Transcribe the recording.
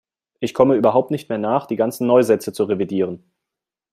Ich komme überhaupt nicht mehr nach, die ganzen Neusätze zu revidieren.